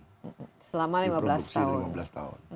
diproduksi lima belas tahun